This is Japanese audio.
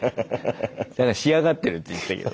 仕上がってるって言ってたけど。